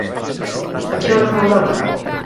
A quina hora plourà avui?